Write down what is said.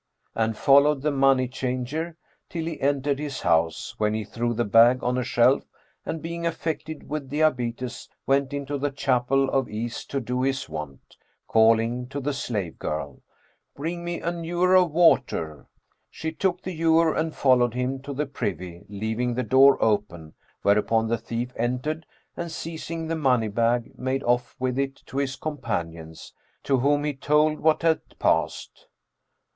and followed the money changer, till he entered his house, when he threw the bag on a shelf[FN#406] and, being affected with diabetes, went into the chapel of ease to do his want, calling to the slave girl, "Bring me an ewer of water." She took the ewer and followed him to the privy, leaving the door open, whereupon the thief entered and, seizing the money bag, made off with it to his companions, to whom he told what had passed.